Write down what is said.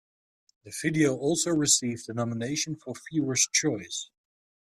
The video also received a nomination for Viewer's Choice.